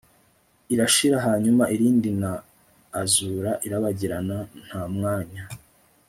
Irashira hanyuma irindi na azure irabagirana nta mwanya